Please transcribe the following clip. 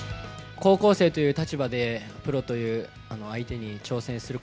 高校生という立場でプロという相手に挑戦する。